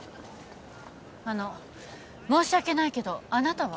あの申し訳ないけどあなたは。